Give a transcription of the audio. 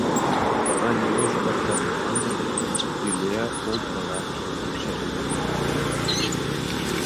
Быға ниндәй сәбәптәр булғандыр инде, Юлия ул турала тикшергәне юҡ.